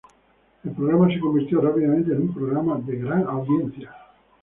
El programa se convirtió rápidamente en un programa de gran audiencia.